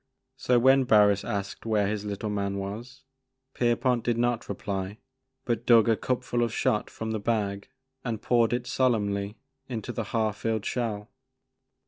So when Barris asked where his little man" was, Pier pont did not reply but dug a cupful of shot from the bag and poured it solemnly into the half filled shell.